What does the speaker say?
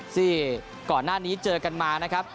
ที่ก่อนหน้านี้เจอกันมานะครับ